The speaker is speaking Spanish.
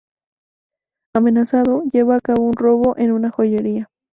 Amenazado, lleva a cabo un robo en una joyería.